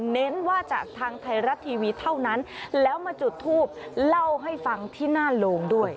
เน้นว่าจากทางไทยรัฐทีวีเท่านั้นแล้วมาจุดทูปเล่าให้ฟังที่หน้าโรงด้วย